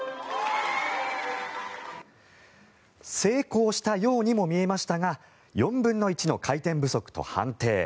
成功したようにも見えましたが４分の１の回転不足と判定。